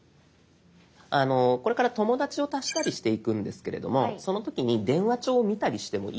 これから友だちを足したりしていくんですけれどもその時に「電話帳を見たりしてもいいですか？」